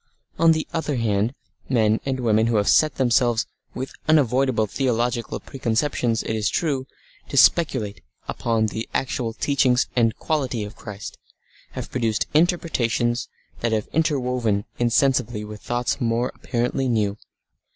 On the other hand men and women who have set themselves, with unavoidable theological preconceptions, it is true, to speculate upon the actual teachings and quality of Christ, have produced interpretations that have interwoven insensibly with thoughts more apparently new.